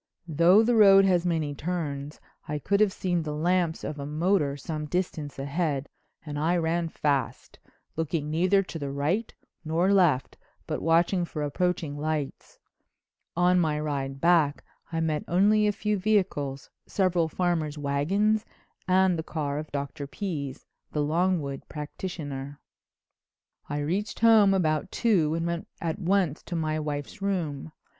Though the road has many turns I could have seen the lamps of a motor some distance ahead and I ran fast, looking neither to the right nor left but watching for approaching lights. On my ride back I met only a few vehicles, several farmers' wagons and the car of Dr. Pease, the Longwood practitioner. "I reached home about two and went at once to my wife's room.